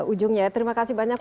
ujungnya terima kasih banyak